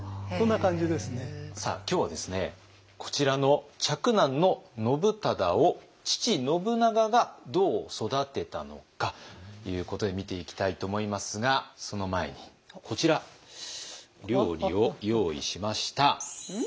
今日はですねこちらの嫡男の信忠を父信長がどう育てたのかということで見ていきたいと思いますがその前にこちら料理を用意しました。